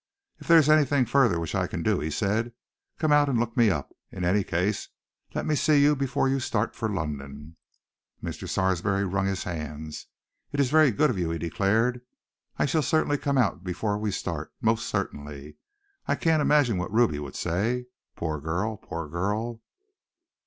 "If there is anything further which I can do," he said, "come out and look me up. In any case, let me see you before you start for London." Mr. Sarsby wrung his hand. "It is very good of you," he declared. "I shall certainly come out before we start, most certainly! I can't imagine what Ruby will say. Poor girl! Poor girl!"